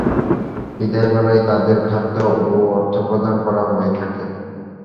বিদায়বেলায় তাদের খাদ্য ও অর্থ প্রদান করা হয়ে থাকে।